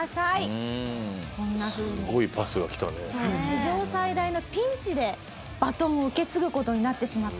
史上最大のピンチでバトンを受け継ぐ事になってしまったと。